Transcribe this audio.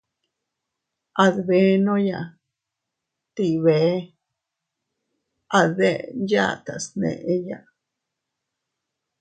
Adbenoya tii bee a deʼen yatas neʼeya.